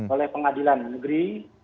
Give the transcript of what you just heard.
oleh pengadilan negeri